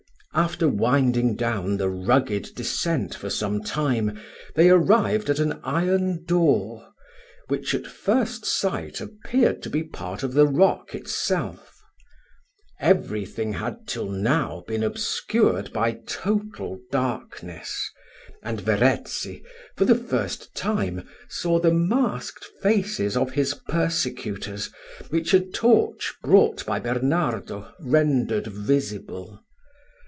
After winding down the rugged descent for some time, they arrived at an iron door, which at first sight appeared to be part of the rock itself. Every thing had till now been obscured by total darkness; and Verezzi, for the first time, saw the masked faces of his persecutors, which a torch brought by Bernardo rendered visible.